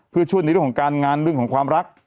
เพื่อช่วยในเรื่องของการงานเรื่องของความรัก